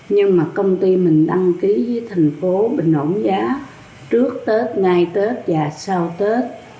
nhưng mà công ty mình đăng ký với thành phố bình ổn giá trước tết ngay tết và sau tết